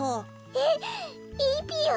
えっいいぴよ？